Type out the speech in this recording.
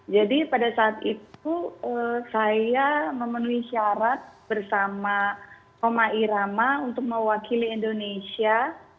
jadi pada saat itu saya memenuhi syarat bersama toma irama untuk mewakili indonesia